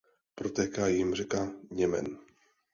Protéká jím řeka Němen.